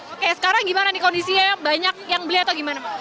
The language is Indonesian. oke sekarang gimana nih kondisinya banyak yang beli atau gimana mas